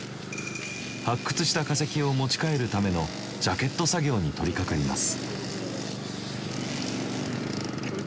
発掘した化石を持ち帰るためのジャケット作業に取りかかります。